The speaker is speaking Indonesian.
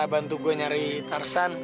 bantu gue nyari tarzan